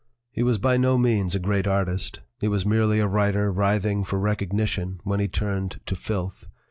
"He was by no means a great artist; he was merely a writer writhing for recognition when he turned to filth.